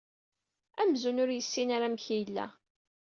Amzun ur yessin ara amek yella.